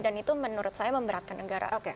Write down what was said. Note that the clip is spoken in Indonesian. dan itu menurut saya memberatkan negara